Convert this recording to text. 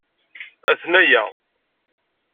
Atnaya.